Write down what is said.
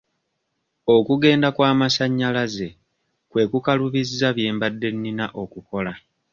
Okugenda kw'amasannyalaze kwe kukalubizza bye mbadde nina okukola.